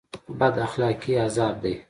بد اخلاقي عذاب دی